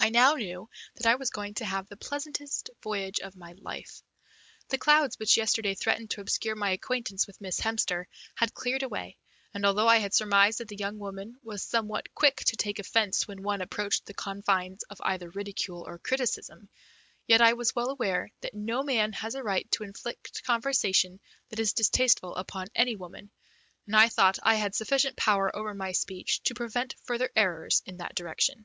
I now knew that I was going to have the pleasantest voyage of my life. The clouds which yesterday threatened to obscure my acquaintance with Miss Hemster had cleared away, and although I had surmised that the young woman was somewhat quick to take offence when one approached the confines of either ridicule or criticism, yet I was well aware that no man has a right to inflict conversation that is distasteful upon any woman, and I thought I had sufficient power over my speech to prevent further errors in that direction.